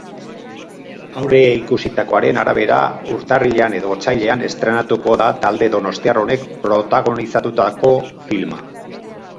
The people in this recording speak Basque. Aurreikusitakoaren arabera, urtarrilean edo otsailean estreinatuko da talde donostiar honek protagonizatutako filma.